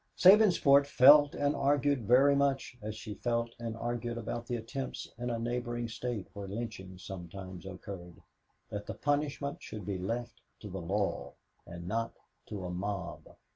Sabinsport felt and argued very much as she felt and argued about the attempts in a neighboring State where lynchings sometimes occurred that the punishment should be left to the law and not to a mob.